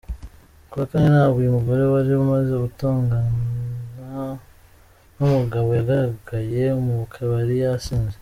Kuwa Kane nabwo uyu mugore wari umaze gutongana n’umugabo yagaragaye mu kabari yasinze.